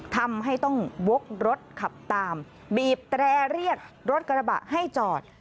ทำให้ต้องวกรถขับตามบีบแตรเรียกรถกระบะให้จอด